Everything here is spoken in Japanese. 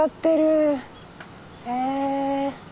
へえ。